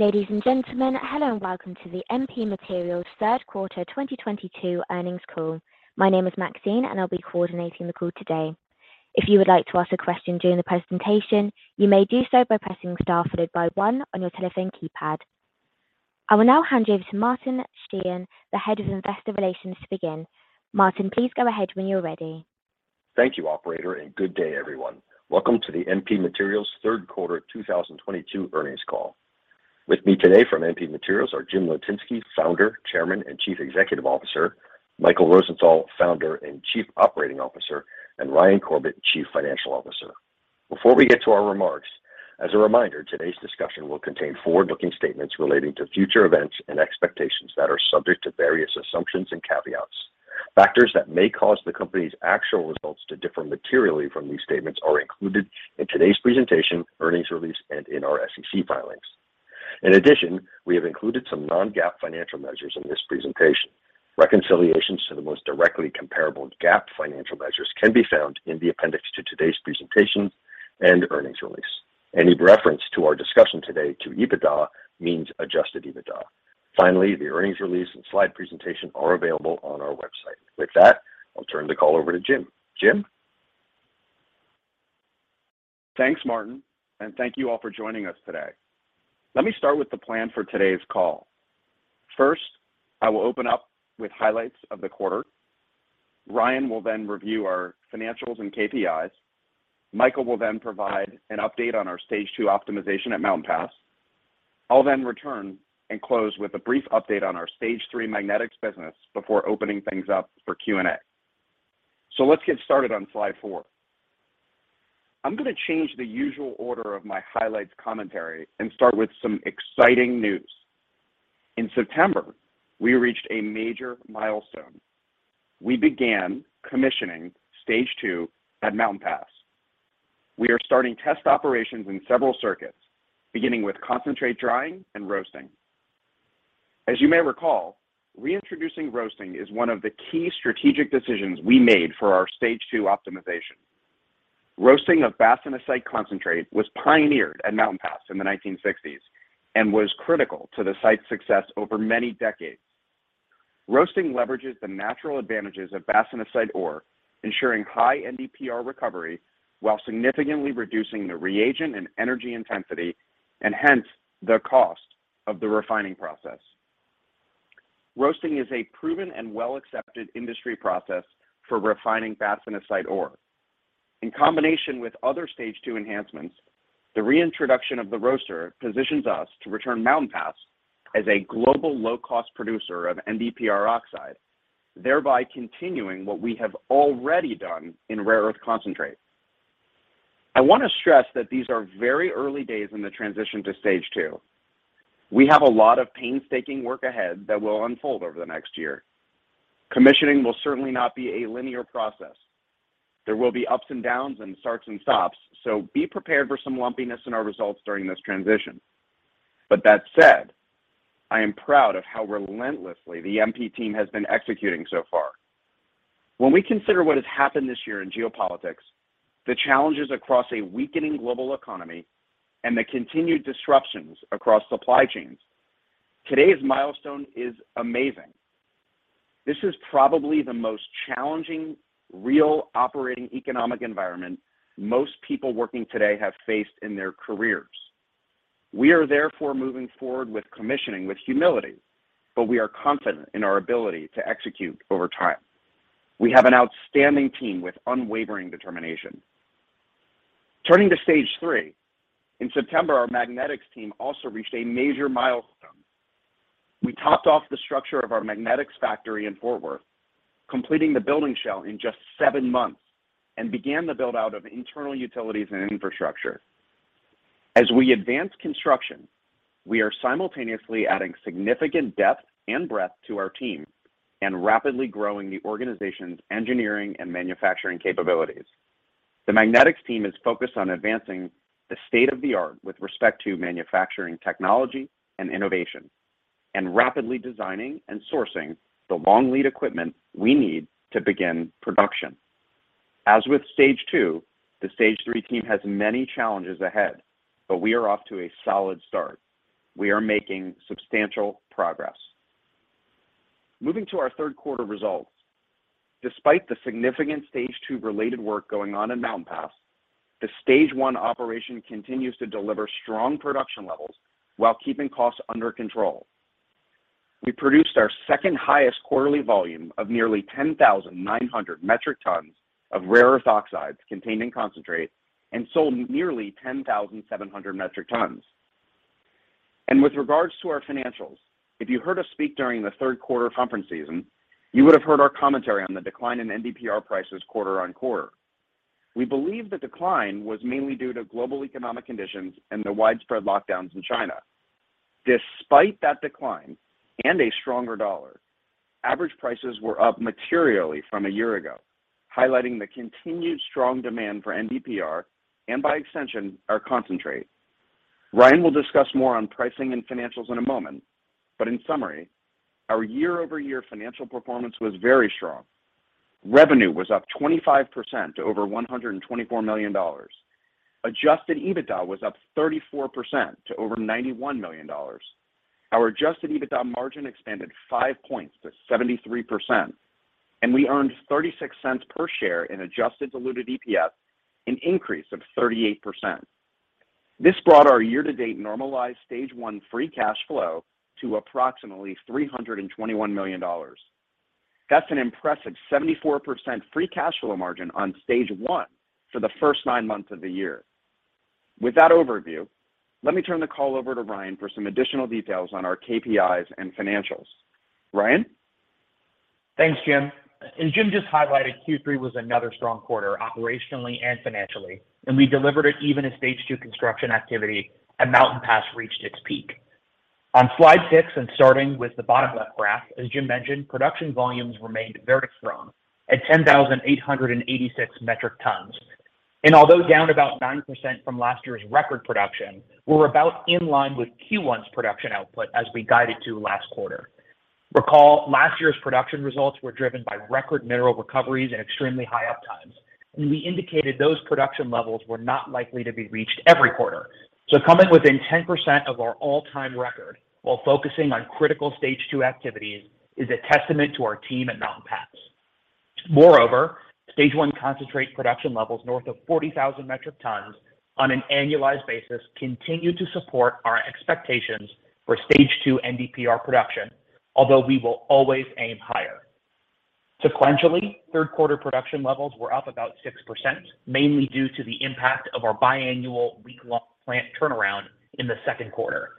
Ladies and gentlemen, hello and welcome to the MP Materials third quarter 2022 earnings call. My name is Maxine, and I'll be coordinating the call today. If you would like to ask a question during the presentation, you may do so by pressing star followed by one on your telephone keypad. I will now hand you over to Martin Sheehan, Head of Investor Relations, to begin. Martin, please go ahead when you're ready. Thank you, operator, and good day, everyone. Welcome to the MP Materials third quarter 2022 earnings call. With me today from MP Materials are Jim Litinsky, Founder, Chairman, and Chief Executive Officer, Michael Rosenthal, Founder and Chief Operating Officer, and Ryan Corbett, Chief Financial Officer. Before we get to our remarks, as a reminder, today's discussion will contain forward-looking statements relating to future events and expectations that are subject to various assumptions and caveats. Factors that may cause the company's actual results to differ materially from these statements are included in today's presentation, earnings release, and in our SEC filings. In addition, we have included some non-GAAP financial measures in this presentation. Reconciliations to the most directly comparable GAAP financial measures can be found in the appendix to today's presentation and earnings release. Any reference to our discussion today to EBITDA means adjusted EBITDA. Finally, the earnings release and slide presentation are available on our website. With that, I'll turn the call over to Jim. Jim? Thanks, Martin, and thank you all for joining us today. Let me start with the plan for today's call. First, I will open up with highlights of the quarter. Ryan will then review our financials and KPIs. Michael will then provide an update on our Stage II optimization at Mountain Pass. I'll then return and close with a brief update on our Stage III magnetics business before opening things up for Q&A. Let's get started on slide four. I'm gonna change the usual order of my highlights commentary and start with some exciting news. In September, we reached a major milestone. We began commissioning Stage II at Mountain Pass. We are starting test operations in several circuits, beginning with concentrate drying and roasting. As you may recall, reintroducing roasting is one of the key strategic decisions we made for our Stage II optimization. Roasting of bastnasite concentrate was pioneered at Mountain Pass in the 1960s and was critical to the site's success over many decades. Roasting leverages the natural advantages of bastnasite ore, ensuring high NdPr recovery while significantly reducing the reagent and energy intensity, and hence the cost of the refining process. Roasting is a proven and well-accepted industry process for refining bastnasite ore. In combination with other Stage II enhancements, the reintroduction of the roaster positions us to return Mountain Pass as a global low cost producer of NdPr oxide, thereby continuing what we have already done in rare earth concentrate. I wanna stress that these are very early days in the transition to Stage II. We have a lot of painstaking work ahead that will unfold over the next year. Commissioning will certainly not be a linear process. There will be ups and downs and starts and stops, so be prepared for some lumpiness in our results during this transition. That said, I am proud of how relentlessly the MP team has been executing so far. When we consider what has happened this year in geopolitics, the challenges across a weakening global economy and the continued disruptions across supply chains, today's milestone is amazing. This is probably the most challenging, real operating economic environment most people working today have faced in their careers. We are therefore moving forward with commissioning with humility, but we are confident in our ability to execute over time. We have an outstanding team with unwavering determination. Turning to Stage III, in September, our magnetics team also reached a major milestone. We topped off the structure of our magnetics factory in Fort Worth, completing the building shell in just seven months, and began the build-out of internal utilities and infrastructure. As we advance construction, we are simultaneously adding significant depth and breadth to our team and rapidly growing the organization's engineering and manufacturing capabilities. The magnetics team is focused on advancing the state-of-the-art with respect to manufacturing technology and innovation and rapidly designing and sourcing the long lead equipment we need to begin production. As with Stage II, the Stage III team has many challenges ahead, but we are off to a solid start. We are making substantial progress. Moving to our third quarter results. Despite the significant Stage II related work going on in Mountain Pass, the Stage I operation continues to deliver strong production levels while keeping costs under control. We produced our second highest quarterly volume of nearly 10,900 metric tons of rare earth oxides contained in concentrate and sold nearly 10,700 metric tons. With regards to our financials, if you heard us speak during the third quarter conference season, you would have heard our commentary on the decline in NdPr prices quarter-over-quarter. We believe the decline was mainly due to global economic conditions and the widespread lockdowns in China. Despite that decline and a stronger dollar, average prices were up materially from a year ago, highlighting the continued strong demand for NdPr and by extension, our concentrate. Ryan will discuss more on pricing and financials in a moment, but in summary, our year-over-year financial performance was very strong. Revenue was up 25% to over $124 million. Adjusted EBITDA was up 34% to over $91 million. Our adjusted EBITDA margin expanded 5 points to 73%, and we earned $0.36 per share in adjusted diluted EPS, an increase of 38%. This brought our year-to-date normalized Stage I free cash flow to approximately $321 million. That's an impressive 74% free cash flow margin on Stage I for the first nine months of the year. With that overview, let me turn the call over to Ryan for some additional details on our KPIs and financials. Ryan? Thanks, Jim. As Jim just highlighted, Q3 was another strong quarter, operationally and financially, and we delivered it even as Stage II construction activity at Mountain Pass reached its peak. On slide six and starting with the bottom left graph, as Jim mentioned, production volumes remained very strong at 10,886 metric tons. Although down about 9% from last year's record production, we're about in line with Q1's production output as we guided to last quarter. Recall, last year's production results were driven by record mineral recoveries and extremely high uptimes, and we indicated those production levels were not likely to be reached every quarter. Coming within 10% of our all-time record while focusing on critical Stage II activities is a testament to our team at Mountain Pass. Moreover, Stage I concentrate production levels north of 40,000 metric tons on an annualized basis continue to support our expectations for Stage II NdPr production, although we will always aim higher. Sequentially, third quarter production levels were up about 6%, mainly due to the impact of our biannual week-long plant turnaround in the second quarter.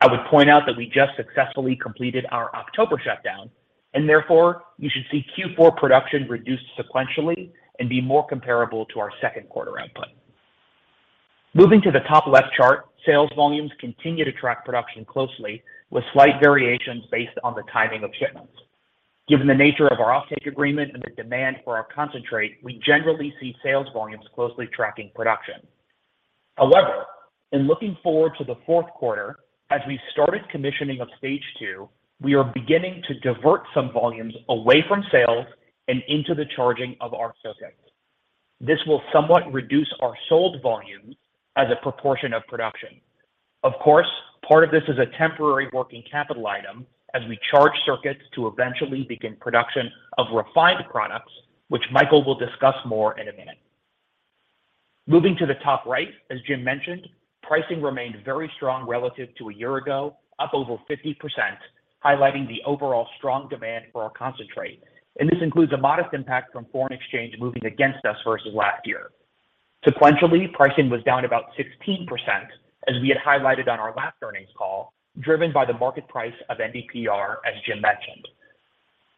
I would point out that we just successfully completed our October shutdown, and therefore, you should see Q4 production reduced sequentially and be more comparable to our second quarter output. Moving to the top left chart, sales volumes continue to track production closely with slight variations based on the timing of shipments. Given the nature of our offtake agreement and the demand for our concentrate, we generally see sales volumes closely tracking production. However, in looking forward to the fourth quarter, as we started commissioning of Stage II, we are beginning to divert some volumes away from sales and into the charging of our circuits. This will somewhat reduce our sold volumes as a proportion of production. Of course, part of this is a temporary working capital item as we charge circuits to eventually begin production of refined products, which Michael will discuss more in a minute. Moving to the top right, as Jim mentioned, pricing remained very strong relative to a year ago, up over 50%, highlighting the overall strong demand for our concentrate. This includes a modest impact from foreign exchange moving against us versus last year. Sequentially, pricing was down about 16%, as we had highlighted on our last earnings call, driven by the market price of NdPr, as Jim mentioned.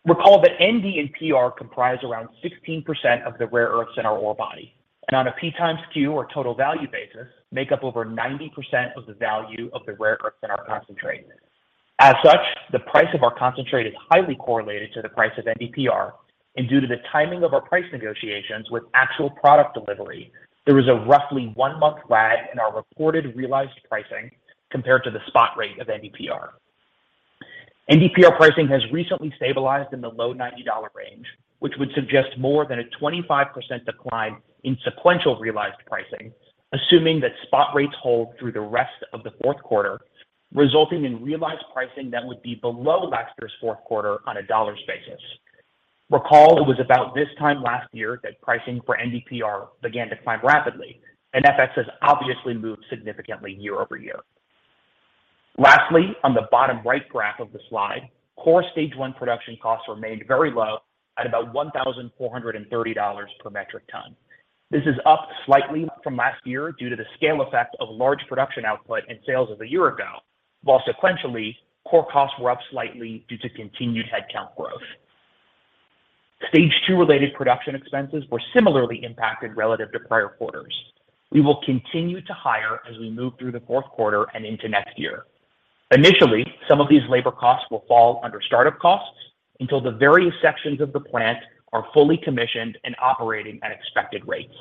Recall that Nd and Pr comprise around 16% of the rare earths in our ore body, and on a P x Q or total value basis, make up over 90% of the value of the rare earths in our concentrate. As such, the price of our concentrate is highly correlated to the price of NdPr, and due to the timing of our price negotiations with actual product delivery, there is a roughly one-month lag in our reported realized pricing compared to the spot rate of NdPr. NdPr pricing has recently stabilized in the low $90 range, which would suggest more than a 25% decline in sequential realized pricing, assuming that spot rates hold through the rest of the fourth quarter, resulting in realized pricing that would be below last year's fourth quarter on a dollars basis. Recall it was about this time last year that pricing for NdPr began to climb rapidly, and FX has obviously moved significantly year-over-year. Lastly, on the bottom right graph of the slide, core Stage I production costs remained very low at about $1,430 per metric ton. This is up slightly from last year due to the scale effect of large production output and sales of a year ago, while sequentially, core costs were up slightly due to continued headcount growth. Stage II-related production expenses were similarly impacted relative to prior quarters. We will continue to hire as we move through the fourth quarter and into next year. Initially, some of these labor costs will fall under start-up costs until the various sections of the plant are fully commissioned and operating at expected rates.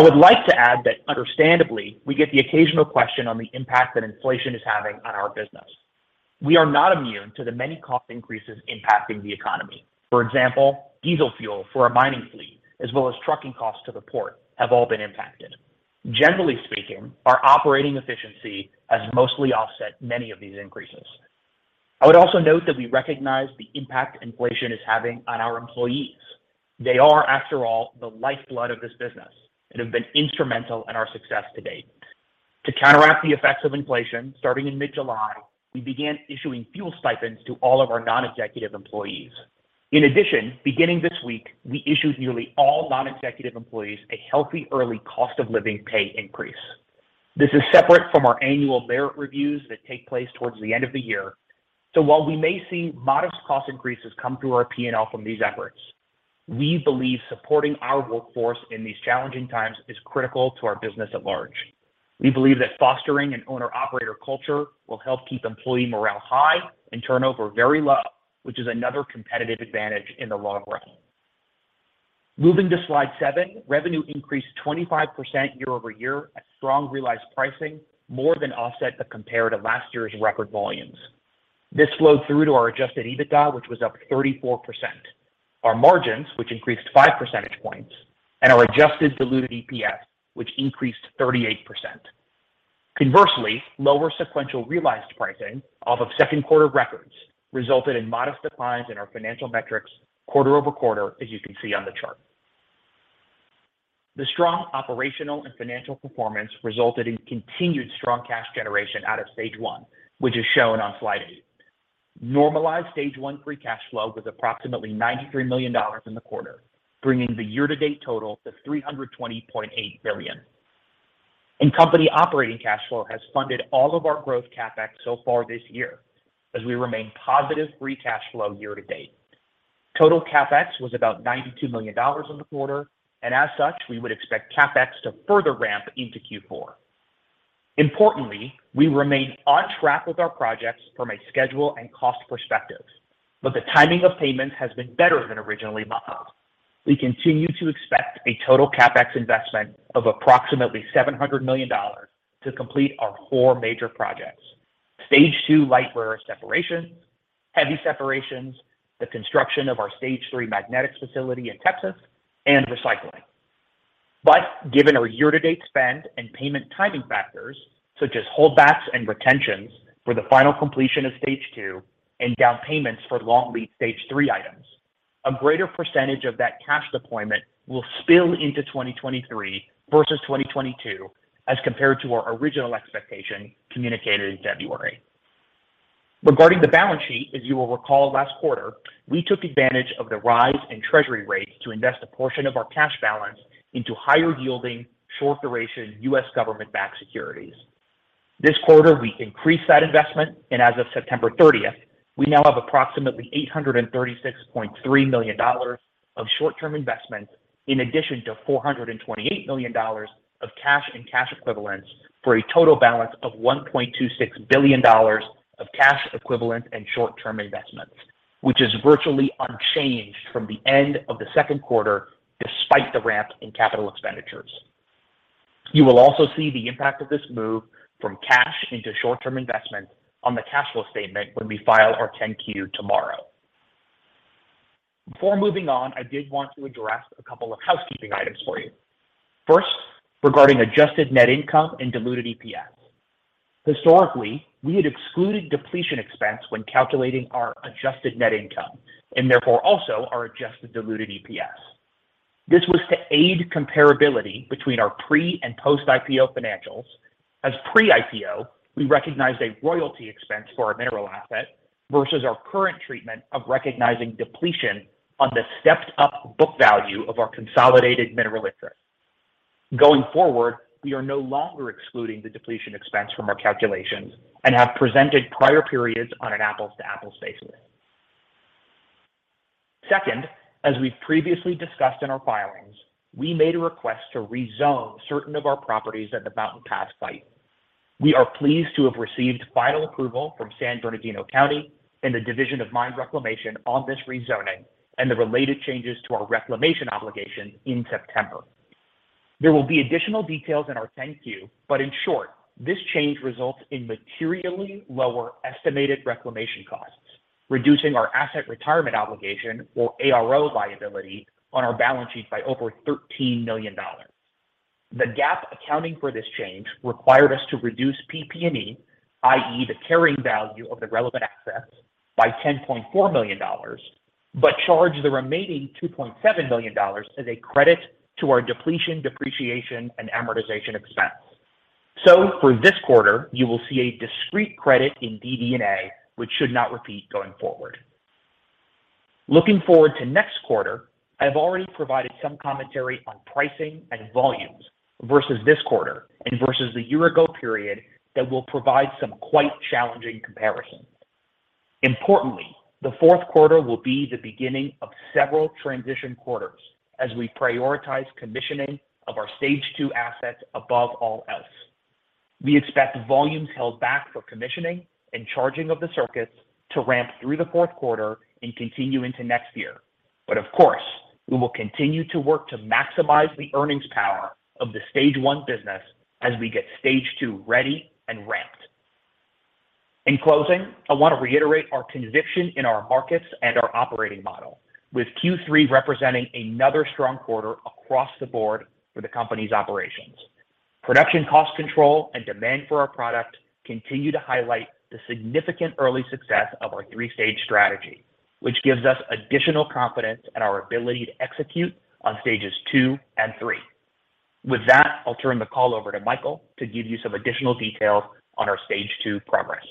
I would like to add that understandably, we get the occasional question on the impact that inflation is having on our business. We are not immune to the many cost increases impacting the economy. For example, diesel fuel for our mining fleet as well as trucking costs to the port have all been impacted. Generally speaking, our operating efficiency has mostly offset many of these increases. I would also note that we recognize the impact inflation is having on our employees. They are, after all, the lifeblood of this business and have been instrumental in our success to date. To counteract the effects of inflation, starting in mid-July, we began issuing fuel stipends to all of our non-executive employees. In addition, beginning this week, we issued nearly all non-executive employees a healthy early cost of living pay increase. This is separate from our annual merit reviews that take place toward the end of the year. While we may see modest cost increases come through our P&L from these efforts, we believe supporting our workforce in these challenging times is critical to our business at large. We believe that fostering an owner-operator culture will help keep employee morale high and turnover very low, which is another competitive advantage in the long run. Moving to slide seven, revenue increased 25% year-over-year as strong realized pricing more than offset the comparison to last year's record volumes. This flowed through to our adjusted EBITDA, which was up 34%. Our margins, which increased five percentage points, and our adjusted diluted EPS, which increased 38%. Conversely, lower sequential realized pricing off of second quarter records resulted in modest declines in our financial metrics quarter-over-quarter, as you can see on the chart. The strong operational and financial performance resulted in continued strong cash generation out of Stage I, which is shown on slide eight. Normalized Stage I free cash flow was approximately $93 million in the quarter, bringing the year-to-date total to $320.8 million. Company operating cash flow has funded all of our growth CapEx so far this year as we remain positive free cash flow year-to-date. Total CapEx was about $92 million in the quarter, and as such, we would expect CapEx to further ramp into Q4. Importantly, we remain on track with our projects from a schedule and cost perspective, but the timing of payments has been better than originally modeled. We continue to expect a total CapEx investment of approximately $700 million to complete our four major projects, Stage II light rare earth separation, heavy separations, the construction of our Stage III magnetics facility in Texas, and recycling. Given our year-to-date spend and payment timing factors such as holdbacks and retentions for the final completion of Stage II and down payments for long lead Stage III items, a greater percentage of that cash deployment will spill into 2023 versus 2022 as compared to our original expectation communicated in February. Regarding the balance sheet, as you will recall last quarter, we took advantage of the rise in Treasury rates to invest a portion of our cash balance into higher yielding, short duration U.S. government-backed securities. This quarter, we increased that investment, and as of September 30th, we now have approximately $836.3 million of short-term investments in addition to $428 million of cash and cash equivalents for a total balance of $1.26 billion of cash equivalent and short-term investments, which is virtually unchanged from the end of the second quarter despite the ramp in capital expenditures. You will also see the impact of this move from cash into short-term investments on the cash flow statement when we file our 10-Q tomorrow. Before moving on, I did want to address a couple of housekeeping items for you. First, regarding adjusted net income and diluted EPS. Historically, we had excluded depletion expense when calculating our adjusted net income and therefore also our adjusted diluted EPS. This was to aid comparability between our pre- and post-IPO financials. As pre-IPO, we recognized a royalty expense for our mineral asset versus our current treatment of recognizing depletion on the stepped-up book value of our consolidated mineral interest. Going forward, we are no longer excluding the depletion expense from our calculations and have presented prior periods on an apples-to-apples basis. Second, as we've previously discussed in our filings, we made a request to rezone certain of our properties at the Mountain Pass site. We are pleased to have received final approval from San Bernardino County and the Division of Mine Reclamation on this rezoning and the related changes to our reclamation obligation in September. There will be additional details in our 10-Q, but in short, this change results in materially lower estimated reclamation costs, reducing our asset retirement obligation or ARO liability on our balance sheet by over $13 million. The GAAP accounting for this change required us to reduce PP&E, i.e. the carrying value of the relevant assets by $10.4 million, but charge the remaining $2.7 million as a credit to our depletion, depreciation, and amortization expense. For this quarter, you will see a discrete credit in DD&A, which should not repeat going forward. Looking forward to next quarter, I have already provided some commentary on pricing and volumes versus this quarter and versus the year ago period that will provide some quite challenging comparisons. Importantly, the fourth quarter will be the beginning of several transition quarters as we prioritize commissioning of our Stage II assets above all else. We expect volumes held back for commissioning and charging of the circuits to ramp through the fourth quarter and continue into next year. Of course, we will continue to work to maximize the earnings power of the Stage I business as we get Stage II ready and ramped. In closing, I want to reiterate our conviction in our markets and our operating model with Q3 representing another strong quarter across the board for the company's operations. Production cost control and demand for our product continue to highlight the significant early success of our three-stage strategy, which gives us additional confidence in our ability to execute on Stages II and Stage III. With that, I'll turn the call over to Michael to give you some additional details on our Stage II progress.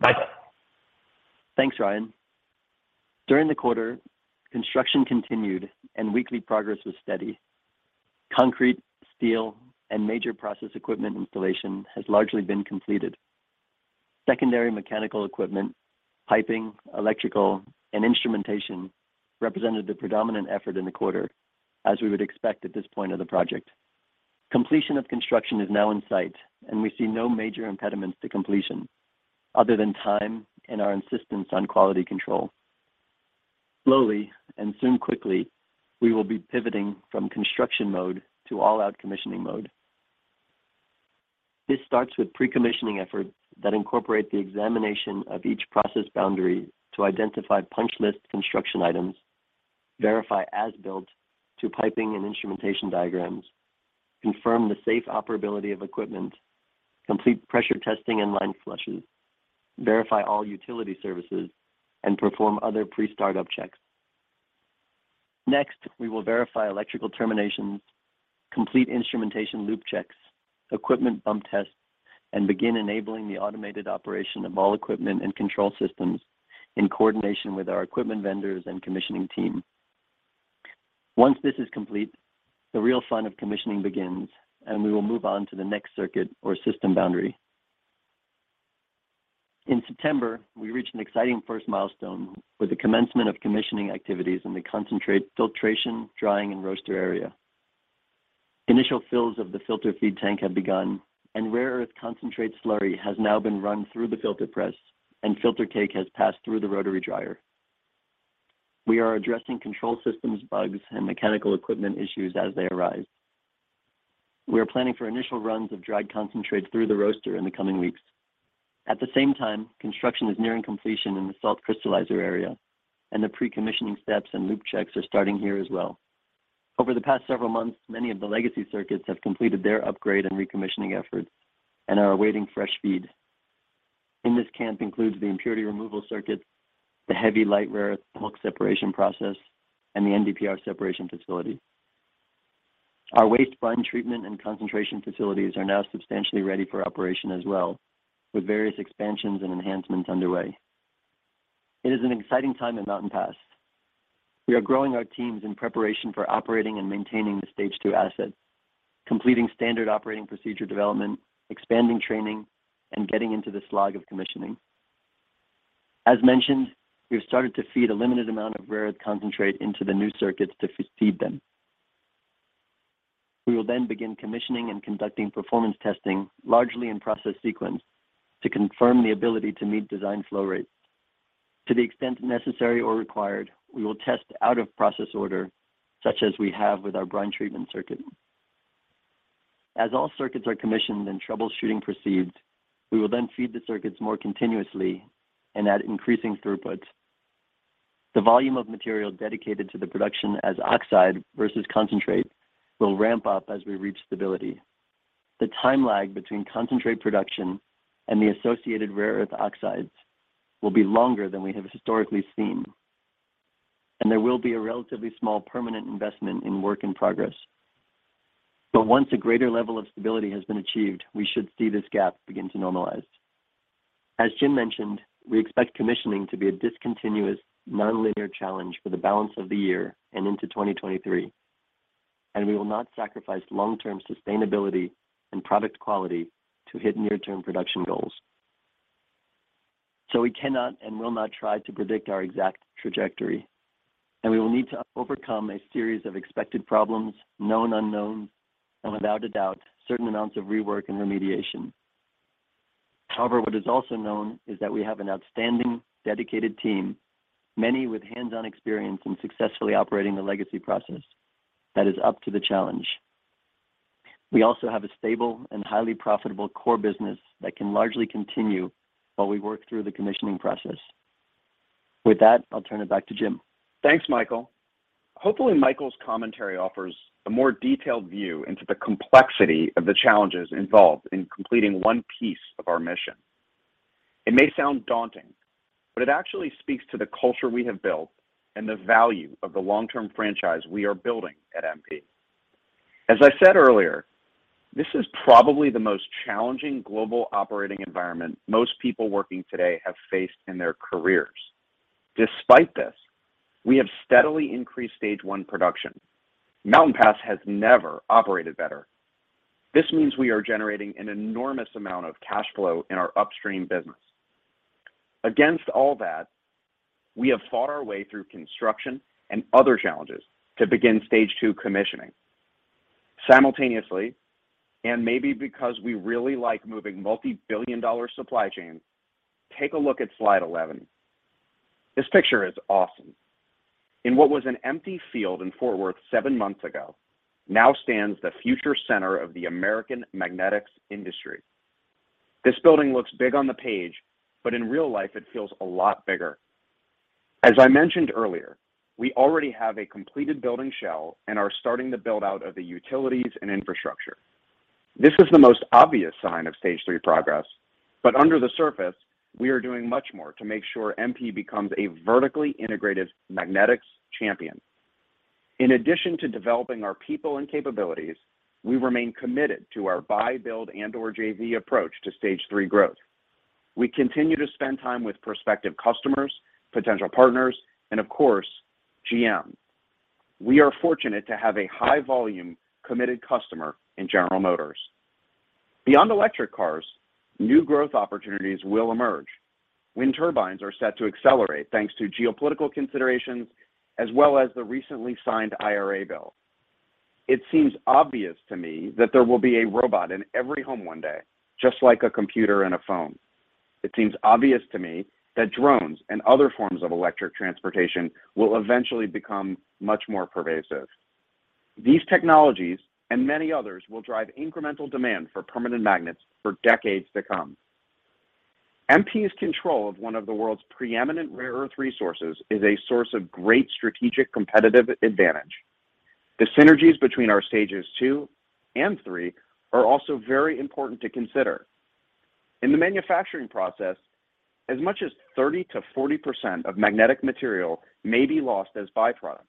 Michael? Thanks, Ryan. During the quarter, construction continued and weekly progress was steady. Concrete, steel, and major process equipment installation has largely been completed. Secondary mechanical equipment, piping, electrical, and instrumentation represented the predominant effort in the quarter, as we would expect at this point of the project. Completion of construction is now in sight, and we see no major impediments to completion other than time and our insistence on quality control. Slowly and soon quickly, we will be pivoting from construction mode to all-out commissioning mode. This starts with pre-commissioning efforts that incorporate the examination of each process boundary to identify punch list construction items, verify as-built to piping and instrumentation diagrams, confirm the safe operability of equipment, complete pressure testing and line flushes, verify all utility services, and perform other pre-startup checks. Next, we will verify electrical terminations, complete instrumentation loop checks, equipment bump tests, and begin enabling the automated operation of all equipment and control systems in coordination with our equipment vendors and commissioning team. Once this is complete, the real fun of commissioning begins, and we will move on to the next circuit or system boundary. In September, we reached an exciting first milestone with the commencement of commissioning activities in the concentrate filtration, drying, and roaster area. Initial fills of the filter feed tank have begun, and rare earth concentrate slurry has now been run through the filter press, and filter cake has passed through the rotary dryer. We are addressing control systems bugs and mechanical equipment issues as they arise. We are planning for initial runs of dried concentrate through the roaster in the coming weeks. At the same time, construction is nearing completion in the salt crystallizer area, and the pre-commissioning steps and loop checks are starting here as well. Over the past several months, many of the legacy circuits have completed their upgrade and recommissioning efforts and are awaiting fresh feed. This includes the impurity removal circuits, the heavy light rare earth bulk separation process, and the NdPr separation facility. Our waste brine treatment and concentration facilities are now substantially ready for operation as well, with various expansions and enhancements underway. It is an exciting time at Mountain Pass. We are growing our teams in preparation for operating and maintaining the Stage II asset, completing standard operating procedure development, expanding training, and getting into the slog of commissioning. As mentioned, we have started to feed a limited amount of rare earth concentrate into the new circuits to feed them. We will then begin commissioning and conducting performance testing largely in process sequence to confirm the ability to meet design flow rates. To the extent necessary or required, we will test out of process order, such as we have with our brine treatment circuit. As all circuits are commissioned and troubleshooting proceeds, we will then feed the circuits more continuously and at increasing throughputs. The volume of material dedicated to the production as oxide versus concentrate will ramp up as we reach stability. The time lag between concentrate production and the associated rare earth oxides will be longer than we have historically seen, and there will be a relatively small permanent investment in work in progress. Once a greater level of stability has been achieved, we should see this gap begin to normalize. As Jim mentioned, we expect commissioning to be a discontinuous, nonlinear challenge for the balance of the year and into 2023, and we will not sacrifice long-term sustainability and product quality to hit near-term production goals. We cannot and will not try to predict our exact trajectory, and we will need to overcome a series of expected problems, known unknowns, and without a doubt, certain amounts of rework and remediation. However, what is also known is that we have an outstanding, dedicated team, many with hands-on experience in successfully operating the legacy process that is up to the challenge. We also have a stable and highly profitable core business that can largely continue while we work through the commissioning process. With that, I'll turn it back to Jim. Thanks, Michael. Hopefully, Michael's commentary offers a more detailed view into the complexity of the challenges involved in completing one piece of our mission. It may sound daunting, but it actually speaks to the culture we have built and the value of the long-term franchise we are building at MP. As I said earlier, this is probably the most challenging global operating environment most people working today have faced in their careers. Despite this, we have steadily increased Stage I production. Mountain Pass has never operated better. This means we are generating an enormous amount of cash flow in our upstream business. Against all that, we have fought our way through construction and other challenges to begin Stage II commissioning. Simultaneously, and maybe because we really like moving multi-billion dollar supply chains, take a look at slide 11. This picture is awesome. In what was an empty field in Fort Worth seven months ago now stands the future center of the American magnetics industry. This building looks big on the page, but in real life it feels a lot bigger. As I mentioned earlier, we already have a completed building shell and are starting the build-out of the utilities and infrastructure. This is the most obvious sign of Stage III progress, but under the surface we are doing much more to make sure MP becomes a vertically integrated magnetics champion. In addition to developing our people and capabilities, we remain committed to our buy, build, and/or JV approach to Stage III growth. We continue to spend time with prospective customers, potential partners, and of course, GM. We are fortunate to have a high volume committed customer in General Motors. Beyond electric cars, new growth opportunities will emerge. Wind turbines are set to accelerate thanks to geopolitical considerations as well as the recently signed IRA bill. It seems obvious to me that there will be a robot in every home one day, just like a computer and a phone. It seems obvious to me that drones and other forms of electric transportation will eventually become much more pervasive. These technologies and many others will drive incremental demand for permanent magnets for decades to come. MP's control of one of the world's preeminent rare earth resources is a source of great strategic competitive advantage. The synergies between our Stage II and Stage III are also very important to consider. In the manufacturing process, as much as 30%-40% of magnetic material may be lost as byproduct.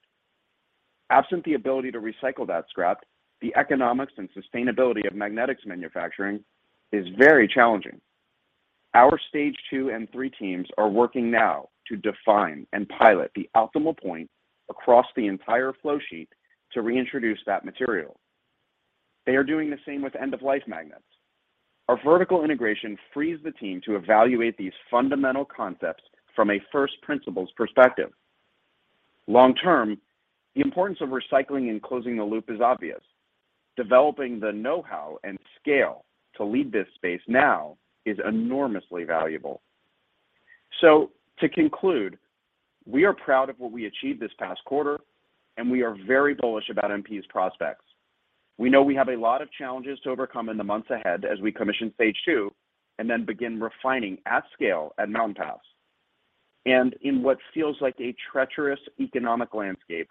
Absent the ability to recycle that scrap, the economics and sustainability of magnetics manufacturing is very challenging. Our Stage II and Stage III teams are working now to define and pilot the optimal point across the entire flow sheet to reintroduce that material. They are doing the same with end-of-life magnets. Our vertical integration frees the team to evaluate these fundamental concepts from a first principles perspective. Long term, the importance of recycling and closing the loop is obvious. Developing the know-how and scale to lead this space now is enormously valuable. To conclude, we are proud of what we achieved this past quarter, and we are very bullish about MP's prospects. We know we have a lot of challenges to overcome in the months ahead as we commission Stage II and then begin refining at scale at Mountain Pass. In what feels like a treacherous economic landscape,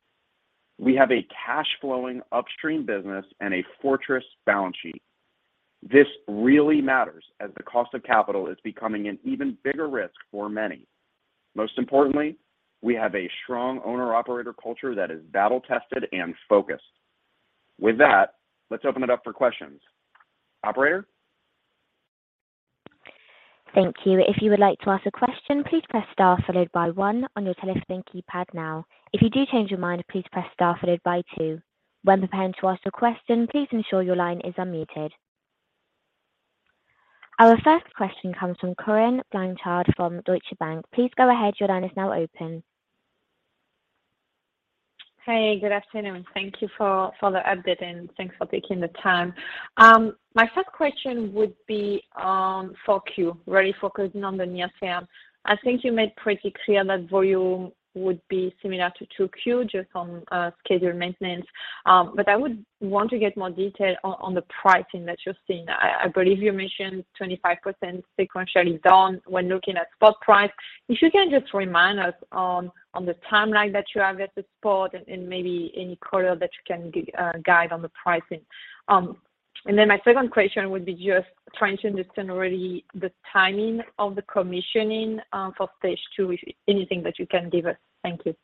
we have a cash flowing upstream business and a fortress balance sheet. This really matters as the cost of capital is becoming an even bigger risk for many. Most importantly, we have a strong owner operator culture that is battle tested and focused. With that, let's open it up for questions. Operator? Thank you. If you would like to ask a question, please press star followed by one on your telephone keypad now. If you do change your mind, please press star followed by two. When preparing to ask a question, please ensure your line is unmuted. Our first question comes from Corinne Blanchard from Deutsche Bank. Please go ahead. Your line is now open. Hey, good afternoon. Thank you for the update and thanks for taking the time. My first question would be for Q, really focusing on the near term. I think you made pretty clear that volume would be similar to 2Q just on scheduled maintenance. I would want to get more detail on the pricing that you're seeing. I believe you mentioned 25% sequentially down when looking at spot price. If you can just remind us on the timeline that you have at the spot and maybe any color that you can guide on the pricing. My second question would be just trying to understand really the timing of the commissioning for Stage II. If anything that you can give us. Thank you.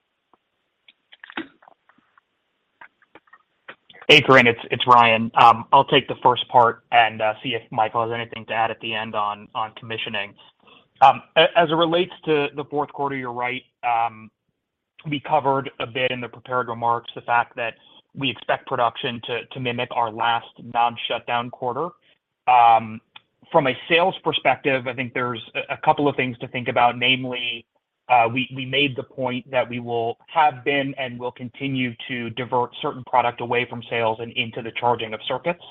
Hey, Corinne, it's Ryan. I'll take the first part and see if Michael has anything to add at the end on commissioning. As it relates to the fourth quarter, you're right, we covered a bit in the prepared remarks the fact that we expect production to mimic our last non-shutdown quarter. From a sales perspective, I think there's a couple of things to think about. Namely, we made the point that we will have been and will continue to divert certain product away from sales and into the charging of circuits.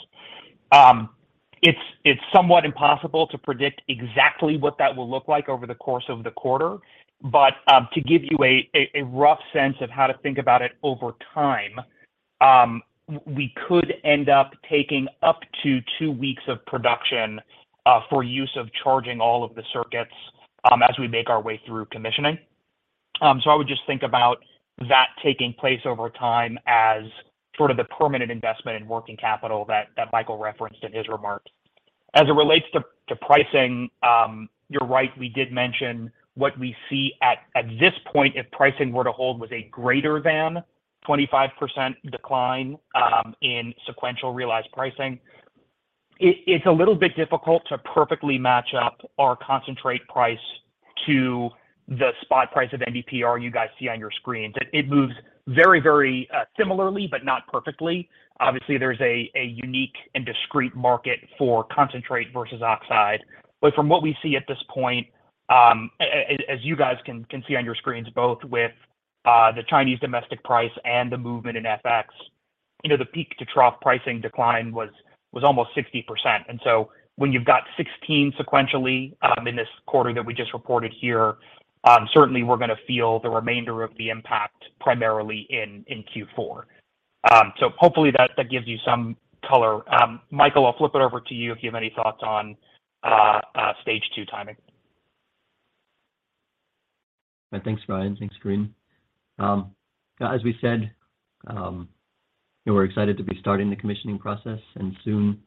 It's somewhat impossible to predict exactly what that will look like over the course of the quarter. To give you a rough sense of how to think about it over time, we could end up taking up to two weeks of production for use of charging all of the circuits as we make our way through commissioning. I would just think about that taking place over time as sort of the permanent investment in working capital that Michael referenced in his remarks. As it relates to pricing, you're right, we did mention what we see at this point, if pricing were to hold was a greater than 25% decline in sequential realized pricing. It's a little bit difficult to perfectly match up our concentrate price to the spot price of NdPr you guys see on your screens. It moves very similarly, but not perfectly. Obviously, there's a unique and discrete market for concentrate versus oxide. From what we see at this point, as you guys can see on your screens, both with the Chinese domestic price and the movement in FX, you know, the peak to trough pricing decline was almost 60%. When you've got 16% sequentially in this quarter that we just reported here, certainly we're gonna feel the remainder of the impact primarily in Q4. Hopefully that gives you some color. Michael, I'll flip it over to you if you have any thoughts on Stage II timing. Thanks, Ryan. Thanks, Corinne. As we said, we're excited to be starting the commissioning process, and soon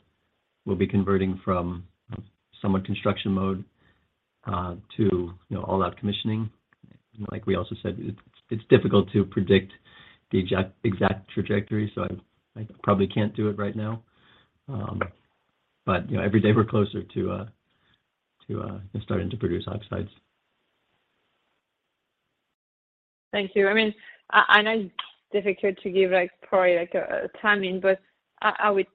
we'll be converting from somewhat construction mode to, you know, all-out commissioning. Like we also said, it's difficult to predict the exact trajectory, so I probably can't do it right now. You know, every day we're closer to starting to produce oxides. Thank you. I mean, I know it's difficult to give, like, probably like a timing, but maybe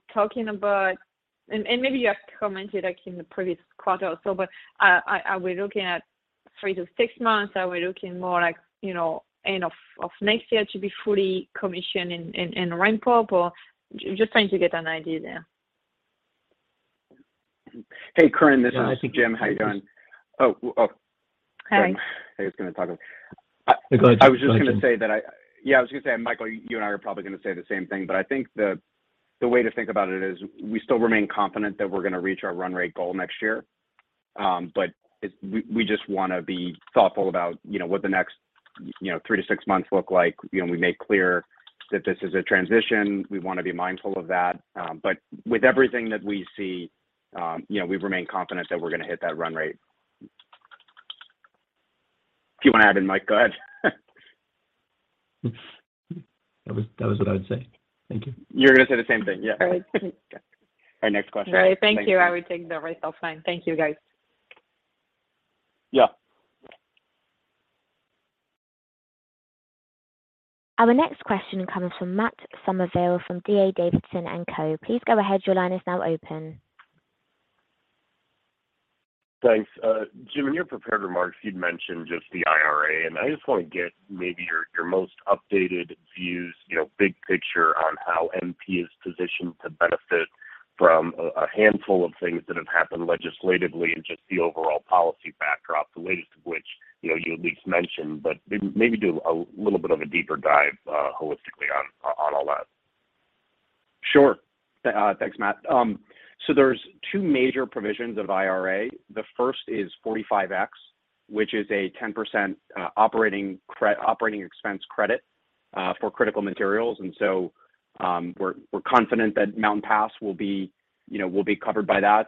you have commented, like, in the previous quarter or so, but are we looking at three to six months? Are we looking more like, you know, end of next year to be fully commissioned in ramp-up? Just trying to get an idea there. Hey, Corinne, this is Jim. How you doing? Oh, oh. Hi. I was gonna talk over- Go ahead. I was gonna say, and Michael, you and I are probably gonna say the same thing. I think the way to think about it is we still remain confident that we're gonna reach our run rate goal next year. We just wanna be thoughtful about, you know, what the next, you know, three to six months look like. You know, we made clear that this is a transition. We wanna be mindful of that. With everything that we see, you know, we remain confident that we're gonna hit that run rate. If you wanna add in, Mike, go ahead. That was what I would say. Thank you. You were gonna say the same thing. Yeah. All right. Okay. All right, next question. Thank you. All right. Thank you. I will take that myself. Fine. Thank you, guys. Yeah. Our next question comes from Matt Summerville from D.A. Davidson & Co. Please go ahead. Your line is now open. Thanks. Jim, in your prepared remarks, you'd mentioned just the IRA, and I just wanna get maybe your most updated views, you know, big picture on how MP is positioned to benefit from a handful of things that have happened legislatively and just the overall policy backdrop, the latest of which, you know, you at least mentioned. Maybe do a little bit of a deeper dive holistically on all that. Sure. Thanks, Matt. There are two major provisions of IRA. The first is 45X, which is a 10% operating expense credit for critical materials. We're confident that Mountain Pass will be covered by that.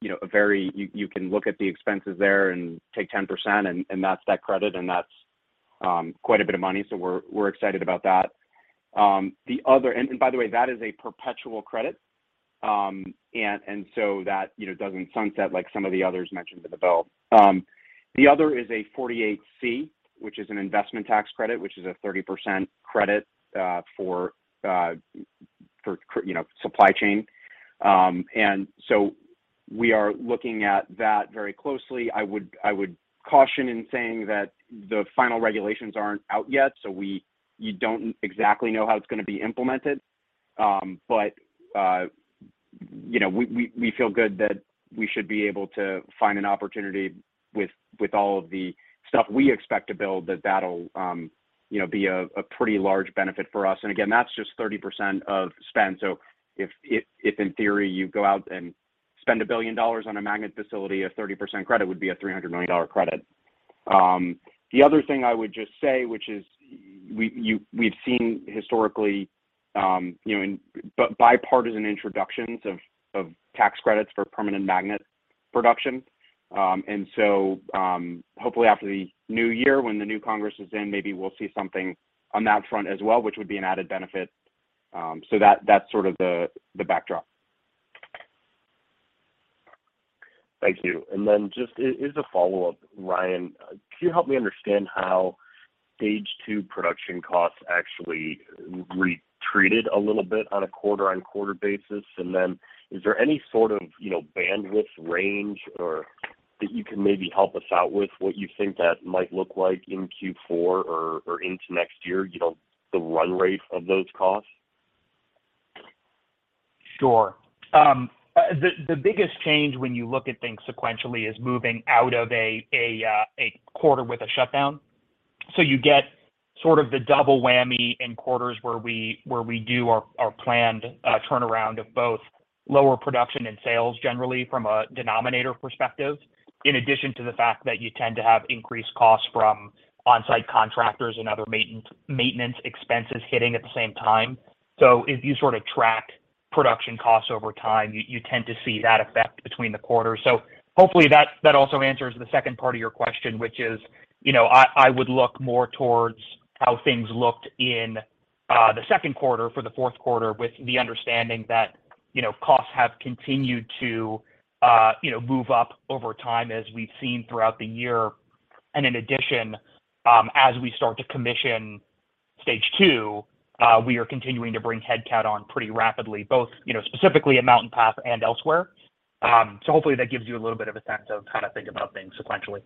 You can look at the expenses there and take 10% and that's that credit, and that's quite a bit of money. We're excited about that. By the way, that is a perpetual credit. That doesn't sunset like some of the others mentioned in the bill. The other is a 48C, which is an investment tax credit, which is a 30% credit for supply chain. We are looking at that very closely. I would caution in saying that the final regulations aren't out yet, so you don't exactly know how it's gonna be implemented. But you know, we feel good that we should be able to find an opportunity with all of the stuff we expect to build that'll be a pretty large benefit for us. And again, that's just 30% of spend. So if in theory you go out and spend $1 billion on a magnet facility, a 30% credit would be a $300 million credit. The other thing I would just say, which is we've seen historically, you know, in bipartisan introductions of tax credits for permanent magnet production. Hopefully after the new year, when the new Congress is in, maybe we'll see something on that front as well, which would be an added benefit. That's sort of the backdrop. Thank you. Just as a follow-up, Ryan, can you help me understand how Stage II production costs actually retreated a little bit on a quarter-over-quarter basis? Is there any sort of, you know, bandwidth range or that you can maybe help us out with what you think that might look like in Q4 or into next year, you know, the run rate of those costs? Sure. The biggest change when you look at things sequentially is moving out of a quarter with a shutdown. You get sort of the double whammy in quarters where we do our planned turnaround of both lower production and sales generally from a denominator perspective, in addition to the fact that you tend to have increased costs from on-site contractors and other maintenance expenses hitting at the same time. If you sort of track production costs over time, you tend to see that effect between the quarters. Hopefully that also answers the second part of your question, which is, you know, I would look more towards how things looked in the second quarter for the fourth quarter with the understanding that, you know, costs have continued to, you know, move up over time as we've seen throughout the year. And in addition, as we start to commission Stage II, we are continuing to bring head count on pretty rapidly, both, you know, specifically at Mountain Pass and elsewhere. Hopefully that gives you a little bit of a sense of how to think about things sequentially.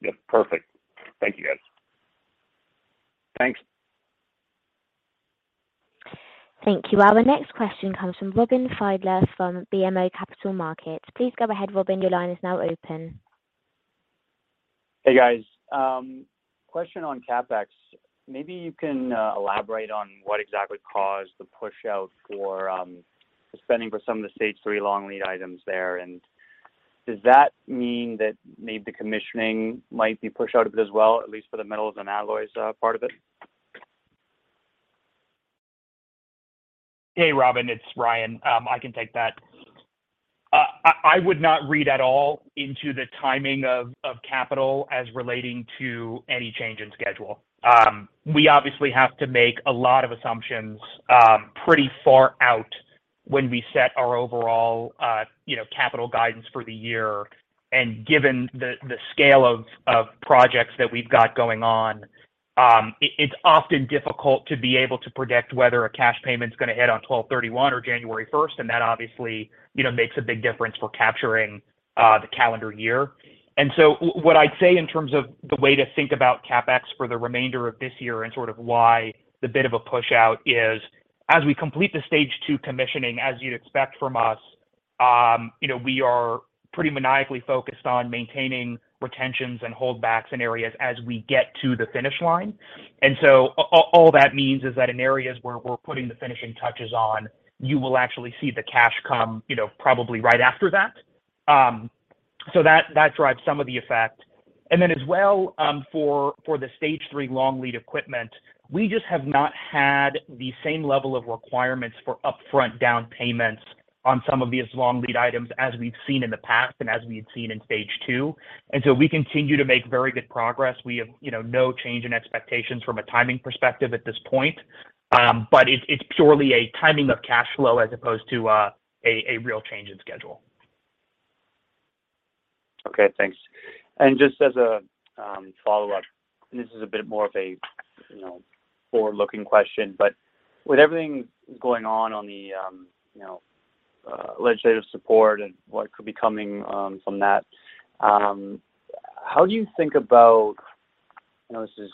Yep. Perfect. Thank you, guys. Thanks. Thank you. Our next question comes from Robin Fiedler from BMO Capital Markets. Please go ahead, Robin. Your line is now open. Hey, guys. Question on CapEx. Maybe you can elaborate on what exactly caused the pushout for the spending for some of the Stage III long lead items there. Does that mean that maybe the commissioning might be pushed out a bit as well, at least for the metals and alloys part of it? Hey, Robin. It's Ryan. I can take that. I would not read at all into the timing of capital as relating to any change in schedule. We obviously have to make a lot of assumptions pretty far out when we set our overall, you know, capital guidance for the year and given the scale of projects that we've got going on, it's often difficult to be able to predict whether a cash payment's gonna hit on 12/31 or January 1st, and that obviously, you know, makes a big difference for capturing the calendar year. What I'd say in terms of the way to think about CapEx for the remainder of this year and sort of why the bit of a push out is, as we complete the Stage II commissioning, as you'd expect from us, you know, we are pretty maniacally focused on maintaining retentions and holdbacks in areas as we get to the finish line. All that means is that in areas where we're putting the finishing touches on, you will actually see the cash come, you know, probably right after that. So that drives some of the effect. For the Stage III long lead equipment, we just have not had the same level of requirements for upfront down payments on some of these long lead items as we've seen in the past and as we had seen in Stage II. We continue to make very good progress. We have, you know, no change in expectations from a timing perspective at this point. It's purely a timing of cash flow as opposed to a real change in schedule. Okay, thanks. Just as a follow-up, and this is a bit more of a, you know, forward-looking question, but with everything going on on the, you know, legislative support and what could be coming from that, how do you think about, I know this is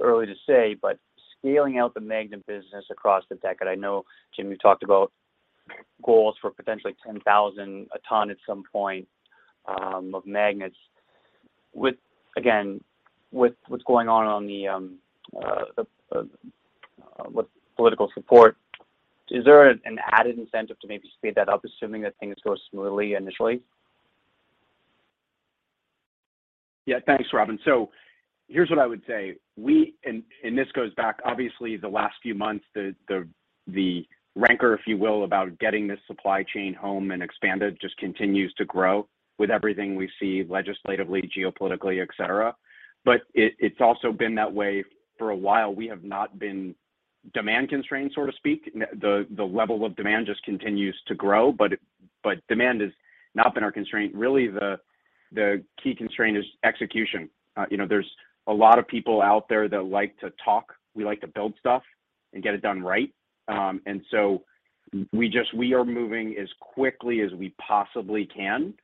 early to say, but scaling out the magnet business across the decade? I know, Jim, you talked about goals for potentially 10,000 tons at some point of magnets. Again, with what's going on on the with political support, is there an added incentive to maybe speed that up, assuming that things go smoothly initially? Yeah. Thanks, Robin. So here's what I would say. This goes back, obviously, the last few months, the rancor, if you will, about getting this supply chain home and expanded just continues to grow with everything we see legislatively, geopolitically, et cetera. It's also been that way for a while. We have not been demand constrained, so to speak. The level of demand just continues to grow. Demand has not been our constraint. Really, the key constraint is execution. You know, there's a lot of people out there that like to talk. We like to build stuff and get it done right. We are moving as quickly as we possibly can,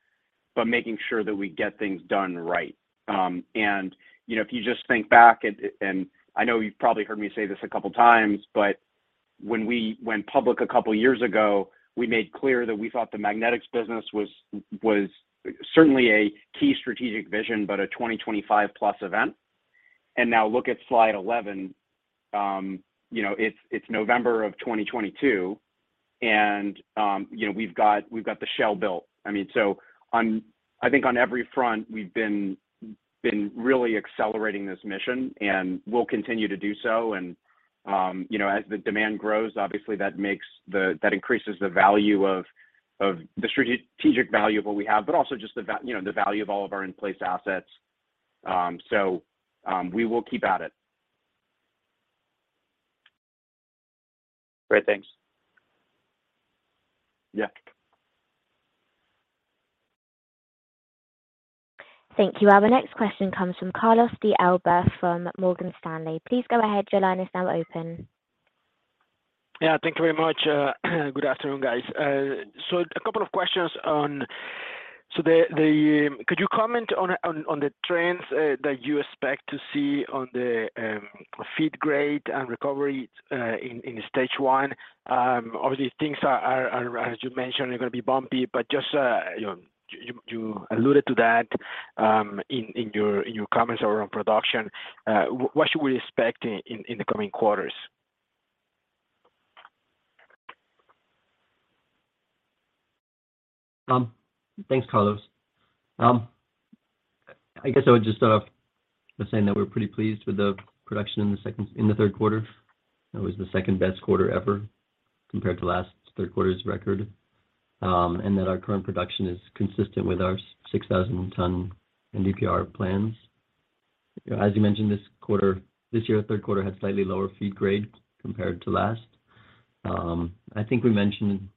but making sure that we get things done right. You know, if you just think back and I know you've probably heard me say this a couple times, but when we went public a couple years ago, we made clear that we thought the magnetics business was certainly a key strategic vision, but a 2025+ event. Now look at slide 11, you know, it's November of 2022 and you know, we've got the shell built. I mean, so on, I think on every front, we've been really accelerating this mission, and we'll continue to do so. You know, as the demand grows, obviously that makes that increases the value of the strategic value of what we have, but also just you know, the value of all of our in-place assets. We will keep at it. Great. Thanks. Yeah. Thank you. Our next question comes from Carlos de Alba from Morgan Stanley. Please go ahead. Your line is now open. Yeah. Thank you very much. Good afternoon, guys. Could you comment on the trends that you expect to see on the feed grade and recovery in Stage I? Obviously things are, as you mentioned, gonna be bumpy, but just, you know, you alluded to that in your comments around production. What should we expect in the coming quarters? Thanks, Carlos. I guess I would just say that we're pretty pleased with the production in the third quarter. That was the second-best quarter ever compared to last third quarter's record. Our current production is consistent with our 6,000-ton NdPr plans. As you mentioned, this year, third quarter had slightly lower feed grade compared to last. I think we mentioned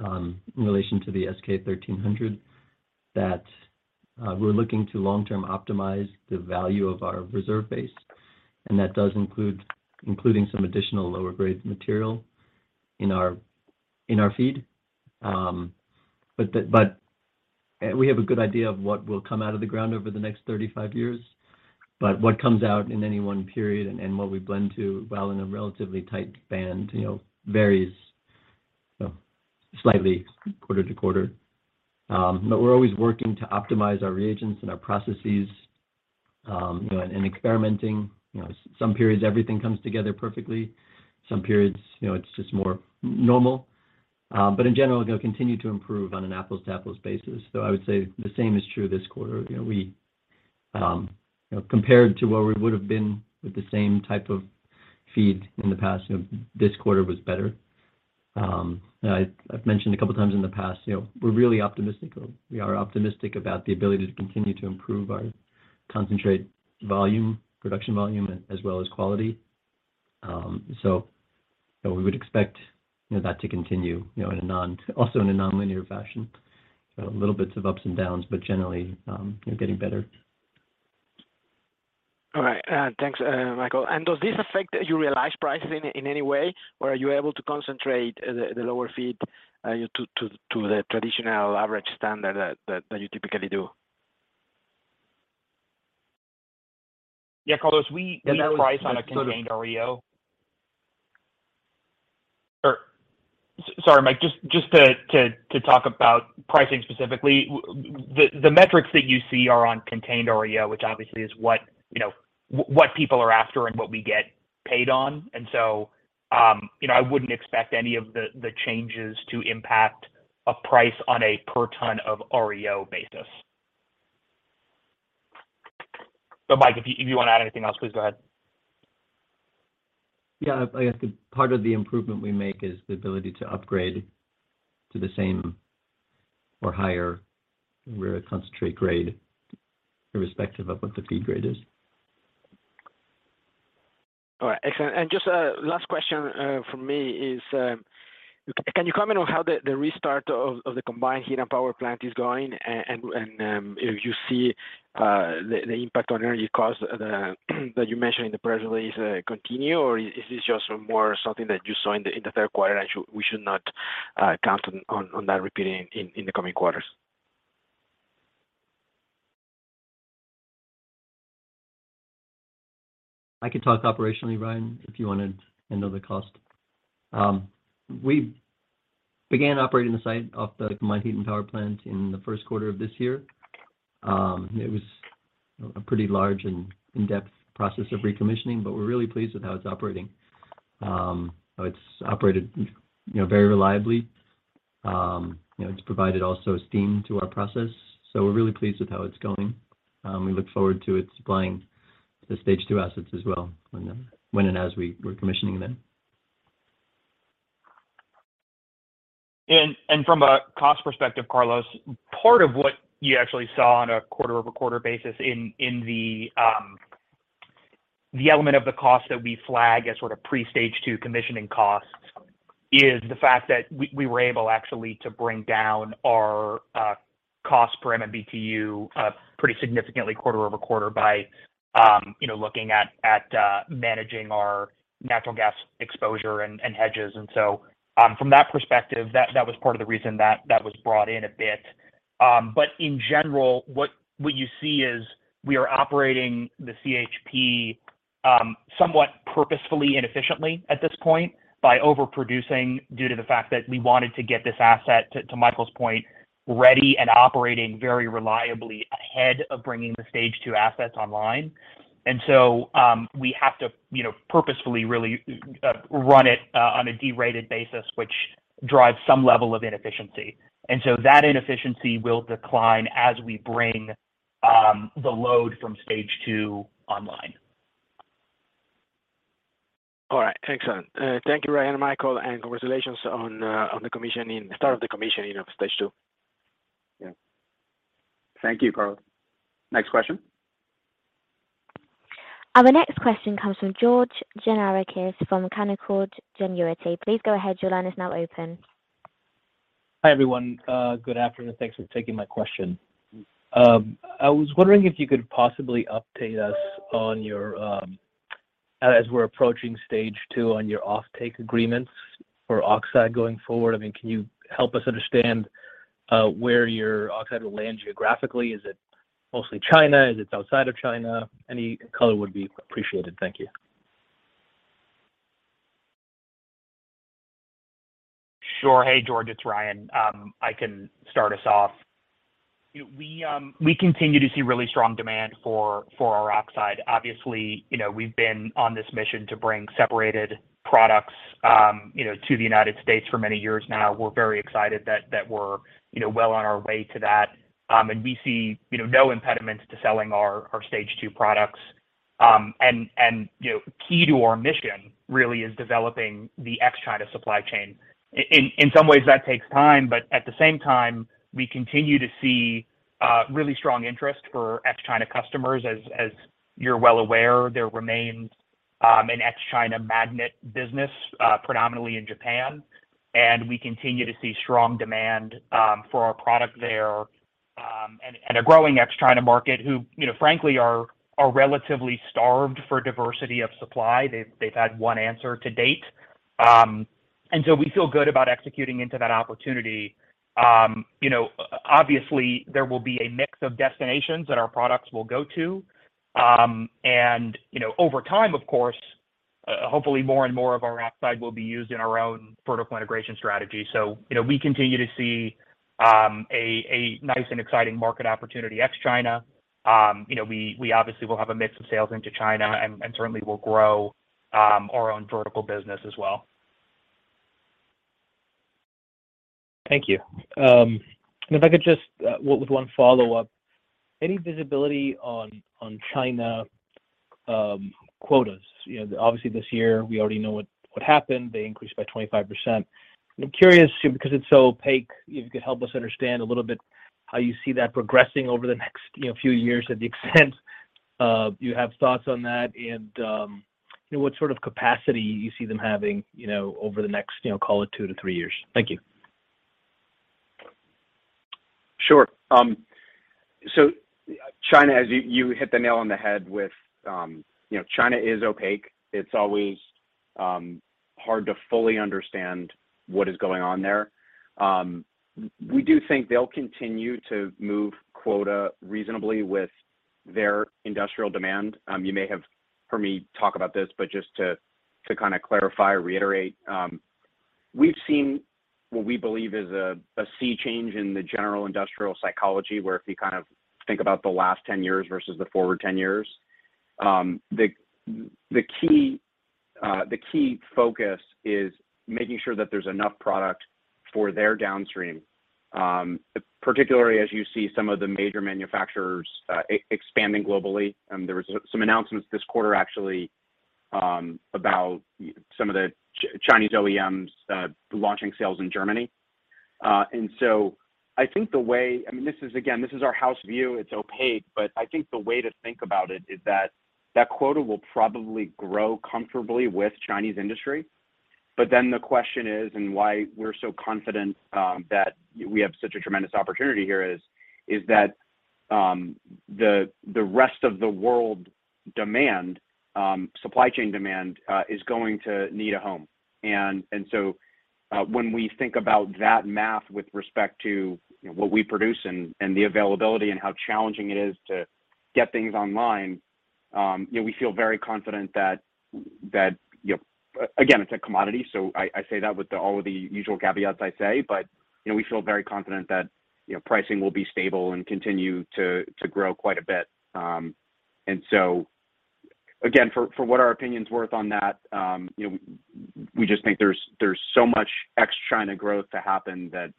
in relation to the S-K 1300 that we're looking to long-term optimize the value of our reserve base, and that does include some additional lower grade material in our feed. We have a good idea of what will come out of the ground over the next 35 years. What comes out in any one period and what we blend to, while in a relatively tight band, you know, varies slightly quarter to quarter. We're always working to optimize our reagents and our processes, you know, and experimenting. You know, some periods, everything comes together perfectly. Some periods, you know, it's just more normal. In general, it'll continue to improve on an apples-to-apples basis. I would say the same is true this quarter. You know, we, you know, compared to where we would've been with the same type of feed in the past, you know, this quarter was better. I've mentioned a couple times in the past, you know, we're really optimistic. We are optimistic about the ability to continue to improve our concentrate volume, production volume, as well as quality. We would expect, you know, that to continue, you know, in a nonlinear fashion. Little bits of ups and downs, but generally, you know, getting better. All right. Thanks, Michael. Does this affect your realized pricing in any way, or are you able to concentrate the lower feed to the traditional average standard that you typically do? Yeah, Carlos, we price on a contained REO. That was sort of. Sorry, Mike, just to talk about pricing specifically. The metrics that you see are on contained REO, which obviously is what, you know, what people are after and what we get paid on. You know, I wouldn't expect any of the changes to impact a price on a per ton of REO basis. Mike, if you wanna add anything else, please go ahead. I guess the part of the improvement we make is the ability to upgrade to the same or higher rare earth concentrate grade irrespective of what the feed grade is. All right. Excellent. Just a last question from me is, can you comment on how the restart of the combined heat and power plant is going? If you see the impact on energy costs that you mentioned in the press release continue, or is this just more something that you saw in the third quarter and we should not count on that repeating in the coming quarters? I can talk operationally, Ryan, if you wanna handle the cost. We began operating the site of the combined heat and power plant in the first quarter of this year. It was a pretty large and in-depth process of recommissioning, but we're really pleased with how it's operating. It's operated, you know, very reliably. You know, it's provided also steam to our process, so we're really pleased with how it's going. We look forward to it supplying the Stage II assets as well when and as we're commissioning them. From a cost perspective, Carlos, part of what you actually saw on a quarter-over-quarter basis in the element of the cost that we flag as sort of pre-Stage II commissioning costs is the fact that we were able actually to bring down our cost per MMBtu pretty significantly quarter-over-quarter by you know looking at managing our natural gas exposure and hedges. From that perspective, that was part of the reason that that was brought in a bit. But in general, what you see is we are operating the CHP somewhat purposefully and efficiently at this point by overproducing due to the fact that we wanted to get this asset to Michael's point, ready and operating very reliably ahead of bringing the Stage II assets online. We have to, you know, purposefully really run it on a derated basis, which drives some level of inefficiency. That inefficiency will decline as we bring the load from Stage II online. All right. Excellent. Thank you, Ryan and Michael, and congratulations on the start of the commissioning of Stage II. Yeah. Thank you, Carlos. Next question. Our next question comes from George Gianarikas from Canaccord Genuity. Please go ahead. Your line is now open. Hi, everyone. Good afternoon. Thanks for taking my question. I was wondering if you could possibly update us on your, as we're approaching Stage II on your offtake agreements for oxide going forward. I mean, can you help us understand, where your oxide will land geographically? Is it mostly China? Is it outside of China? Any color would be appreciated. Thank you. Sure. Hey, George Gianarikas, it's Ryan Corbett. I can start us off. We continue to see really strong demand for our oxide. Obviously, you know, we've been on this mission to bring separated products, you know, to the United States for many years now. We're very excited that we're, you know, well on our way to that. We see, you know, no impediments to selling our Stage II products. You know, key to our mission really is developing the ex-China supply chain. In some ways, that takes time, but at the same time, we continue to see really strong interest for ex-China customers. As you're well aware, there remains an ex-China magnet business, predominantly in Japan, and we continue to see strong demand for our product there. A growing ex-China market who, you know, frankly are relatively starved for diversity of supply. They've had one answer to date. We feel good about executing into that opportunity. You know, obviously, there will be a mix of destinations that our products will go to. You know, over time, of course, hopefully more and more of our oxide will be used in our own vertical integration strategy. You know, we continue to see a nice and exciting market opportunity ex-China. You know, we obviously will have a mix of sales into China and certainly will grow our own vertical business as well. Thank you. If I could just with one follow-up. Any visibility on China quotas? You know, obviously this year we already know what happened. They increased by 25%. I'm curious too, because it's so opaque, if you could help us understand a little bit how you see that progressing over the next, you know, few years to the extent you have thoughts on that and, you know, what sort of capacity you see them having, you know, over the next, you know, call it two to three years. Thank you. Sure. China, as you hit the nail on the head with, you know, China is opaque. It's always hard to fully understand what is going on there. We do think they'll continue to move quota reasonably with their industrial demand. You may have heard me talk about this, but just to kind of clarify or reiterate. We've seen what we believe is a sea change in the general industrial psychology, where if you kind of think about the last 10 years versus the forward 10 years, the key focus is making sure that there's enough product for their downstream. Particularly as you see some of the major manufacturers expanding globally, there was some announcements this quarter actually about some of the Chinese OEMs launching sales in Germany. I mean, this is again our house view. It's opaque, but I think the way to think about it is that quota will probably grow comfortably with Chinese industry. The question is, and why we're so confident that we have such a tremendous opportunity here is that the rest of the world demand, supply chain demand is going to need a home. When we think about that math with respect to, you know, what we produce and the availability and how challenging it is to get things online, you know, we feel very confident that you know. Again, it's a commodity, so I say that with all of the usual caveats I say. You know, we feel very confident that, you know, pricing will be stable and continue to grow quite a bit. Again, for what our opinion's worth on that, you know, we just think there's so much ex-China growth to happen that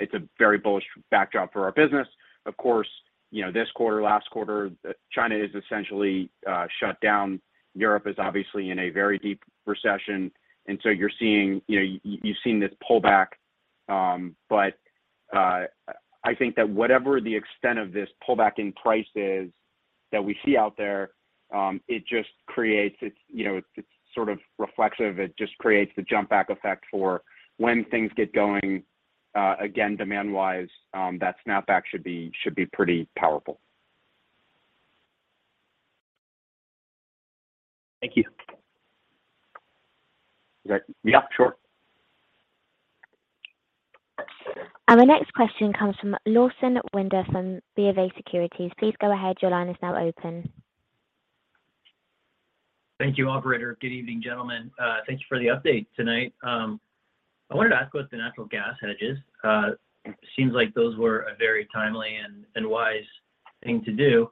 it's a very bullish backdrop for our business. Of course, you know, this quarter, last quarter, China is essentially shut down. Europe is obviously in a very deep recession. You're seeing, you know, you've seen this pullback. I think that whatever the extent of this pullback in price is that we see out there, it just creates. It's, you know, it's sort of reflexive. It just creates the snapback effect for when things get going again, demand-wise, that snap back should be pretty powerful. Thank you. Yeah, sure. The next question comes from Lawson Winder from BofA Securities. Please go ahead. Your line is now open. Thank you, operator. Good evening, gentlemen. Thank you for the update tonight. I wanted to ask about the natural gas hedges. Seems like those were a very timely and wise thing to do.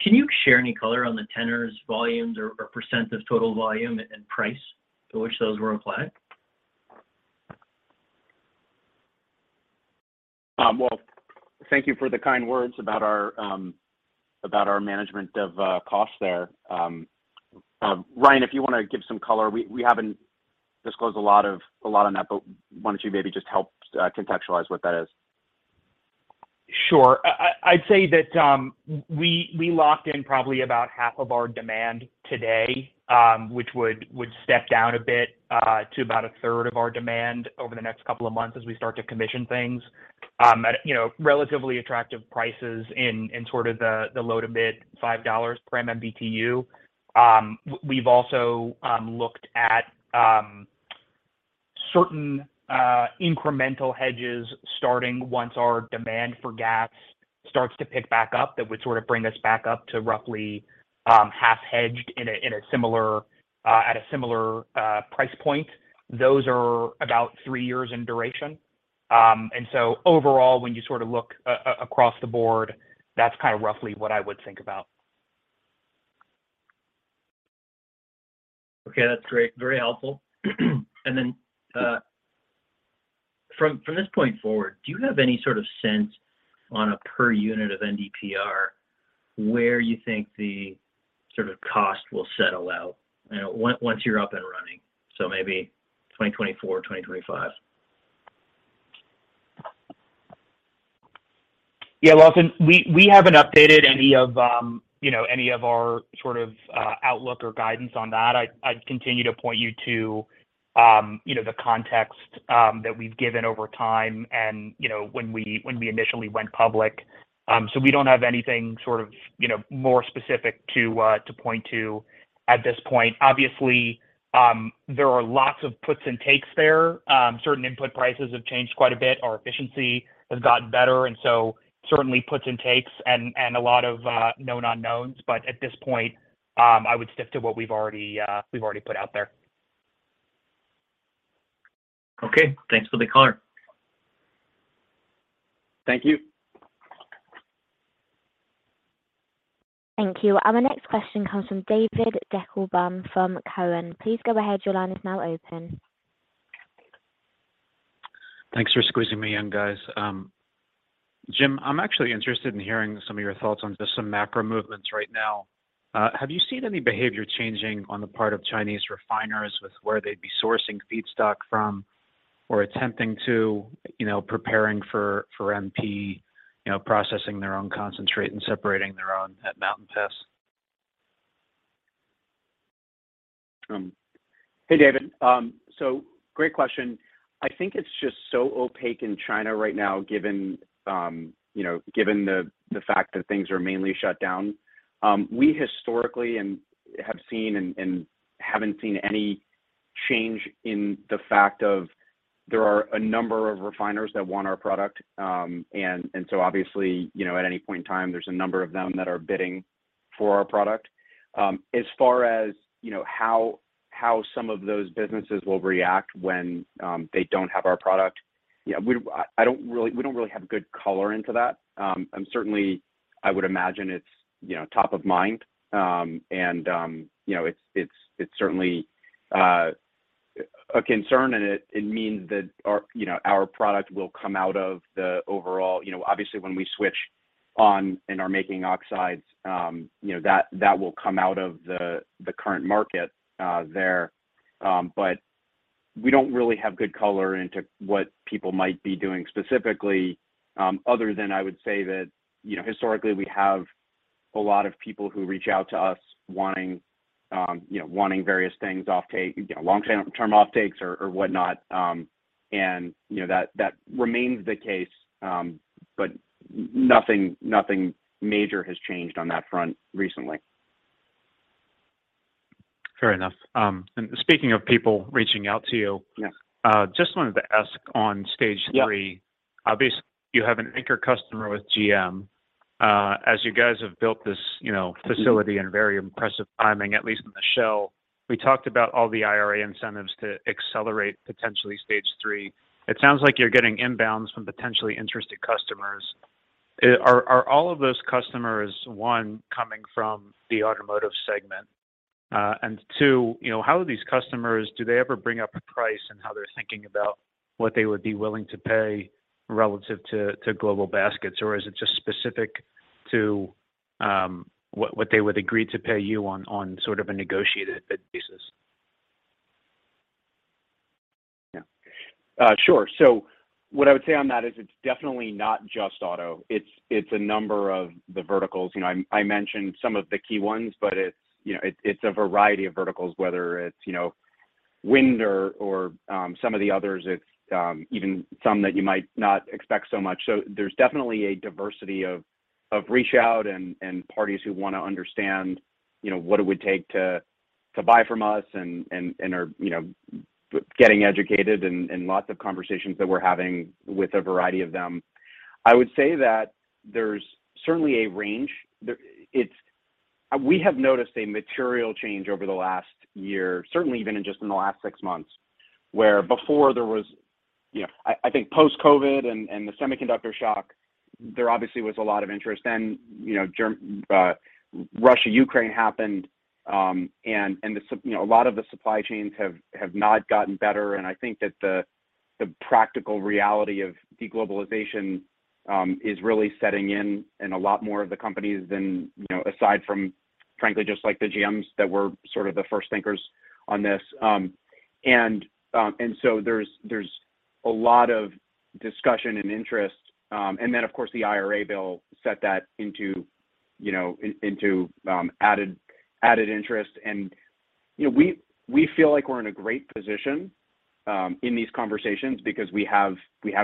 Can you share any color on the tenors, volumes or percent of total volume and price to which those were in play? Well, thank you for the kind words about our management of costs there. Ryan, if you wanna give some color. We haven't disclosed a lot on that, but why don't you maybe just help contextualize what that is? Sure. I'd say that we locked in probably about half of our demand today, which would step down a bit to about a third of our demand over the next couple of months as we start to commission things. At you know, relatively attractive prices in sort of the low a bit, $5 per MMBtu. We've also looked at certain incremental hedges starting once our demand for gas starts to pick back up. That would sort of bring us back up to roughly half hedged at a similar price point. Those are about three years in duration. Overall, when you sort of look across the board, that's kind of roughly what I would think about. Okay, that's great. Very helpful. From this point forward, do you have any sort of sense on a per unit of NdPr where you think the sort of cost will settle out, you know, once you're up and running? Maybe 2024, 2025. Yeah, Lawson. We haven't updated any of, you know, any of our sort of, outlook or guidance on that. I'd continue to point you to, you know, the context, that we've given over time and, you know, when we initially went public. So we don't have anything sort of, you know, more specific to point to at this point. Obviously, there are lots of puts and takes there. Certain input prices have changed quite a bit. Our efficiency has gotten better, and so certainly puts and takes and a lot of, known unknowns. But at this point, I would stick to what we've already put out there. Okay. Thanks for the color. Thank you. Thank you. The next question comes from David Deckelbaum from Cowen. Please go ahead. Your line is now open. Thanks for squeezing me in, guys. Jim, I'm actually interested in hearing some of your thoughts on just some macro movements right now. Have you seen any behavior changing on the part of Chinese refiners with where they'd be sourcing feedstock from or attempting to, you know, preparing for MP, you know, processing their own concentrate and separating their own at Mountain Pass? Hey, David. Great question. I think it's just so opaque in China right now, given you know, given the fact that things are mainly shut down. We historically have seen and haven't seen any change in the fact that there are a number of refiners that want our product. And so obviously, you know, at any point in time, there's a number of them that are bidding for our product. As far as, you know, how some of those businesses will react when they don't have our product. Yeah, we don't really have good color into that. I would imagine it's, you know, top of mind. You know, it's certainly a concern, and it means that our, you know, our product will come out of the overall. You know, obviously when we switch on and are making oxides, you know, that will come out of the current market there. We don't really have good color into what people might be doing specifically, other than I would say that, you know, historically we have a lot of people who reach out to us wanting, you know, wanting various things offtake, you know, long-term offtakes or whatnot. You know, that remains the case. Nothing major has changed on that front recently. Fair enough. Speaking of people reaching out to you. Yeah. Just wanted to ask on Stage III. Yeah. Obviously, you have an anchor customer with GM. As you guys have built this, you know, facility in very impressive timing, at least in the shell. We talked about all the IRA incentives to accelerate potentially Stage III. It sounds like you're getting inbounds from potentially interested customers. Are all of those customers, one, coming from the automotive segment? And two, you know, how are these customers, do they ever bring up a price in how they're thinking about what they would be willing to pay relative to global baskets? Or is it just specific to what they would agree to pay you on sort of a negotiated basis? Yeah. Sure. What I would say on that is it's definitely not just auto. It's a number of the verticals. I mentioned some of the key ones, but it's a variety of verticals, whether it's wind or some of the others. It's even some that you might not expect so much. There's definitely a diversity of reach out and parties who wanna understand what it would take to buy from us and are getting educated and lots of conversations that we're having with a variety of them. I would say that there's certainly a range. We have noticed a material change over the last year, certainly even just in the last six months, where before there was. I think post-COVID and the semiconductor shock, there obviously was a lot of interest then. You know, Russia, Ukraine happened, and the supply chains have not gotten better. I think that the practical reality of de-globalization is really setting in a lot more of the companies than, you know, aside from frankly just like the GMs that were sort of the first thinkers on this. There's a lot of discussion and interest. Of course, the IRA bill set that into, you know, added interest. You know, we feel like we're in a great position in these conversations because we have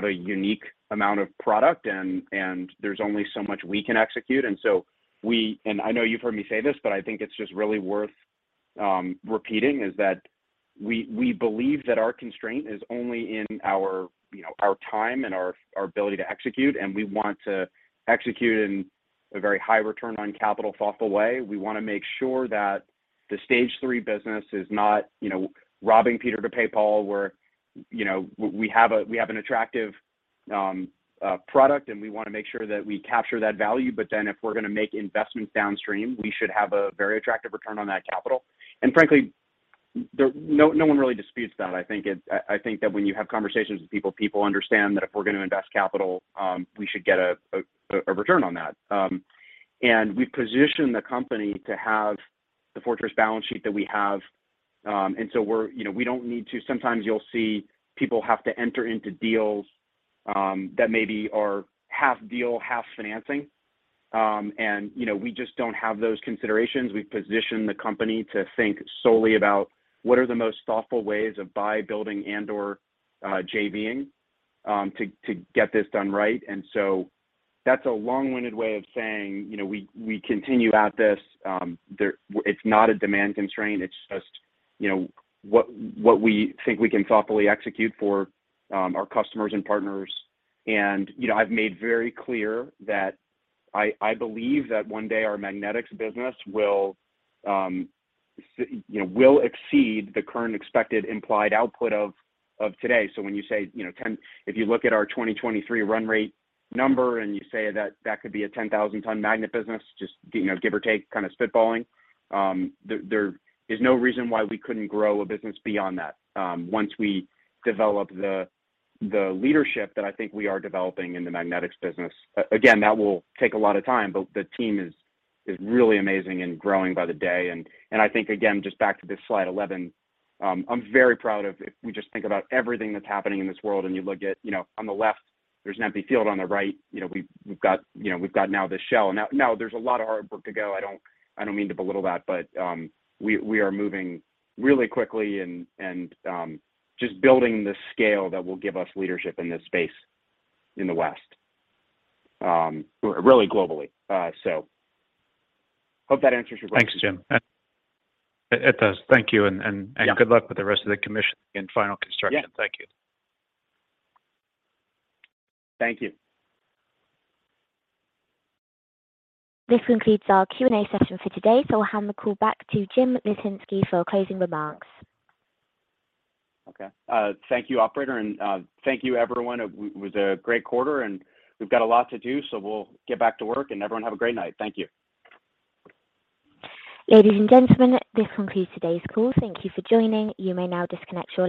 a unique amount of product and there's only so much we can execute. I know you've heard me say this, but I think it's just really worth repeating, is that we believe that our constraint is only in our you know our time and our ability to execute, and we want to execute in a very high return on capital thoughtful way. We wanna make sure that the Stage III business is not you know robbing Peter to pay Paul, where you know we have an attractive product, and we wanna make sure that we capture that value. If we're gonna make investments downstream, we should have a very attractive return on that capital. Frankly, no one really disputes that. I think that when you have conversations with people understand that if we're gonna invest capital, we should get a return on that. We've positioned the company to have the fortress balance sheet that we have. You know, we don't need to. Sometimes you'll see people have to enter into deals that maybe are half deal, half financing. You know, we just don't have those considerations. We've positioned the company to think solely about what are the most thoughtful ways of buying, building and/or JV-ing to get this done right. That's a long-winded way of saying, you know, we continue at this. It's not a demand constraint. It's just, you know, what we think we can thoughtfully execute for our customers and partners. You know, I've made very clear that I believe that one day our magnetics business will, you know, exceed the current expected implied output of today. When you say, you know, if you look at our 2023 run rate number and you say that could be a 10,000-ton magnet business, just, you know, give or take kind of spitballing, there is no reason why we couldn't grow a business beyond that, once we develop the leadership that I think we are developing in the magnetics business. That will take a lot of time, but the team is really amazing and growing by the day. I think again, just back to this slide 11, I'm very proud of if we just think about everything that's happening in this world and you look at, you know, on the left there's an empty field, on the right, you know, we've got, you know, we've got now this shell. Now there's a lot of hard work to go. I don't mean to belittle that, but we are moving really quickly and just building the scale that will give us leadership in this space in the West, really globally. So hope that answers your question. Thanks, Jim. It does. Thank you. Yeah. Good luck with the rest of the commissioning and final construction. Yeah. Thank you. Thank you. This concludes our Q&A session for today, so I'll hand the call back to Jim Litinsky for closing remarks. Okay. Thank you, operator, and thank you everyone. It was a great quarter, and we've got a lot to do, so we'll get back to work, and everyone have a great night. Thank you. Ladies and gentlemen, this concludes today's call. Thank you for joining. You may now disconnect your lines.